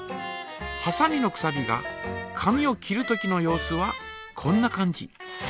はさみのくさびが紙を切るときの様子はこんな感じ。